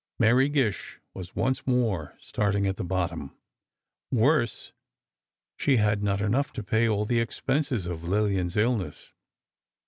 Mary Gish was once more starting at the bottom. Worse. She had not enough to pay all the expense of Lillian's illness.